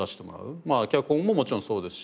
脚本ももちろんそうですし。